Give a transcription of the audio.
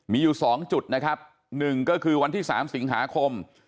มีอยู่สองจุดนะครับหนึ่งก็คือวันที่สามสิงหาคม